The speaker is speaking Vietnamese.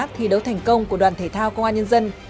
thi đấu thành công của đoàn thể thao công an nhân dân